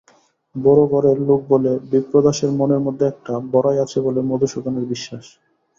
বড়ো ঘরের লোক বলে বিপ্রদাসের মনের মধ্যে একটা বড়াই আছে বলে মধুসূদনের বিশ্বাস।